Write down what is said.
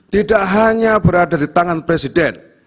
tidak hanya berada di tangan presiden